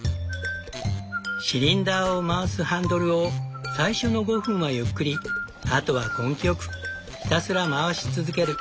シリンダーを回すハンドルを最初の５分はゆっくりあとは根気よくひたすら回し続ける。